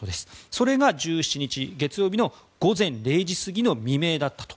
それが１７日月曜日の午前０時過ぎの未明だったと。